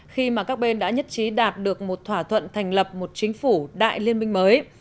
khi mà các bên đã nhất trí đạt được một thỏa thuận thành lập một chính phủ đại liên minh mới